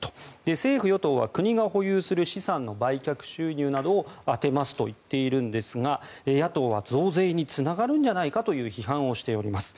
政府・与党は国が保有する資産の売却収入などを充てますと言っているんですが野党は増税につながるんじゃないかという批判をしております。